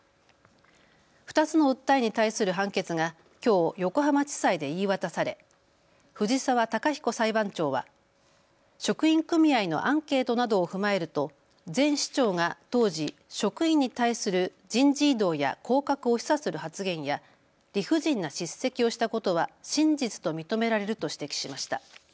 ２つの訴えに対する判決がきょう横浜地裁で言い渡され藤澤孝彦裁判長は職員組合のアンケートなどを踏まえると前市長が当時、職員に対する人事異動や降格を示唆する発言や理不尽な叱責をしたことは真実と認められると指摘しました。